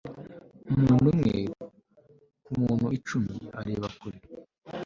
umuntu umwe kumuntu icumi areba kure